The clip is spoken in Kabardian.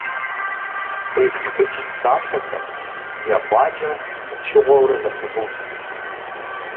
КъифтхыкӀ, псалъэхэр екъуакӀэ пычыгъуэурэ зэпывуд.